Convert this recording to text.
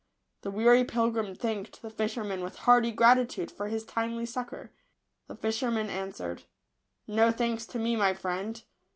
The weary pilgrim thanked the fisherman with hearty gratitude for his timely succour. The fisherman answered, " No thanks to me, my friend.